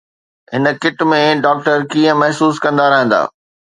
هن cut ۾ doctor ڪيئن محسوس ڪندا رهندا؟